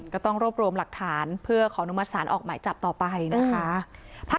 ก็ต้องรวบรวมหลักฐานเพื่อขออนุมัติศาลออกหมายจับต่อไปนะคะ